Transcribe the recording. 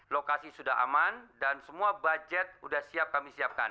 lokasi sudah aman dan semua budget sudah siap kami siapkan